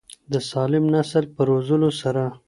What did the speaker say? د سالم نسل په روزلو سره.